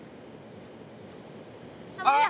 あっ！